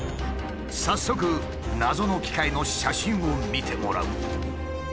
早速謎の機械の写真を見てもらう。